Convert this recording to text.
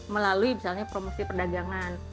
melalui misalnya promosi perdagangan